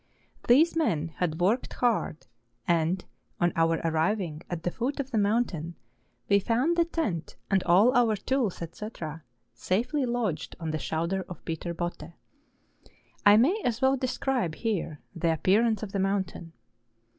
These men had worked hard, and on our arriving at the foot of the moun¬ tain we found the tent and all our tools, vtc., safely lodged on the shoulder of Peter Botte. I may as well describe here the appearance of the mountain.